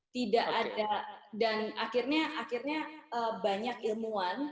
tidak ada dan akhirnya banyak ilmuwan